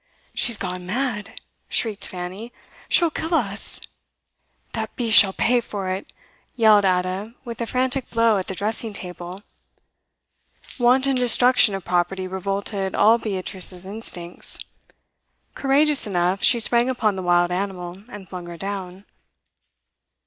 'She's gone mad!' shrieked Fanny. 'She'll kill us!' 'That beast shall pay for it!' yelled Ada, with a frantic blow at the dressing table. Wanton destruction of property revolted all Beatrice's instincts. Courageous enough, she sprang upon the wild animal, and flung her down.